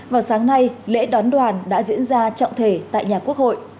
vào sáng nay lễ đón đoàn đã diễn ra trọng thể tại nhà quốc hội